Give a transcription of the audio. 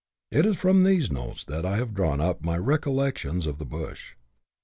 It is from these notes that 1 have drawn up my ' Recollections of the Bush.'